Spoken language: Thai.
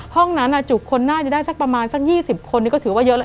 ห้องนั้นอ่ะจุคนหน้าจะได้สักประมาณสักยี่สิบคนนี่ก็ถือว่าเยอะแล้ว